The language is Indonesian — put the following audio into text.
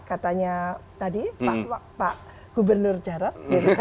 katanya tadi lo pak gubernur jarod